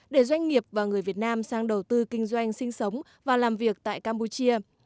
để doanh nghiệp và người việt nam sang đầu tư kinh doanh sinh sống và làm việc tại campuchia